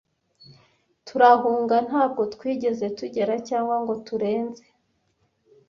turahunga ntabwo twigeze tugera cyangwa ngo turenze